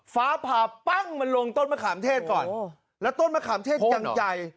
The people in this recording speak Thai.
ฟ้าผ่าปั้งมันลงต้นมะขามเทศก่อนแล้วต้นมะขามเทศยังใหญ่